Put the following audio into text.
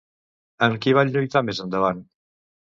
Amb qui van lluitar més endavant?